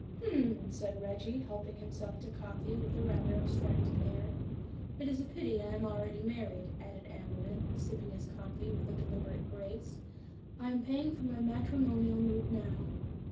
"H'm!" said Reggie, helping himself to coffee with a rather abstracted air. "It is a pity I am already married," added Amarinth, sipping his coffee with a deliberate grace. "I am paying for my matrimonial mood now."